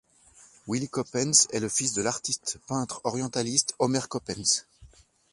Willy Coppens est le fils de l'artiste-peintre orientaliste Omer Coppens.